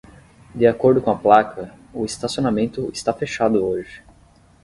De acordo com a placa, o estacionamento está fechado hoje